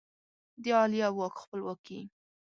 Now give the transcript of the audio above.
د عالیه واک خپلواکي